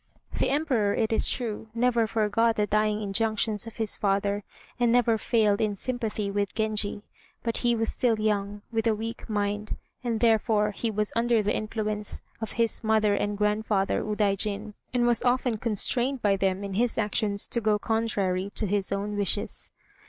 The Emperor, it is true, never forgot the dying injunctions of his father, and never failed in sympathy with Genji; but he was still young, with a weak mind, and therefore he was under the influence of his mother and grandfather, Udaijin, and was often constrained by them in his actions to go contrary to his own wishes.